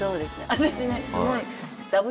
私ねすごい。